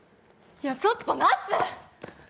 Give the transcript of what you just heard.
いや、ちょっとナツ。